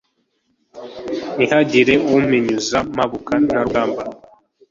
ntihagira umpinyuza Mpabuka nta rugamba